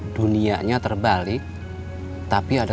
dunianya terbalik tapi ada